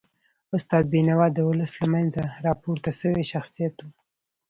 استاد بینوا د ولس له منځه راپورته سوی شخصیت و.